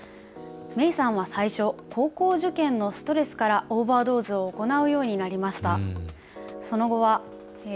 メイさんは最初、高校受験のストレスからオーバードーズを行うようになりました。